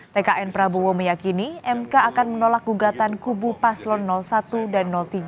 tkn prabowo meyakini mk akan menolak gugatan kubu paslon satu dan tiga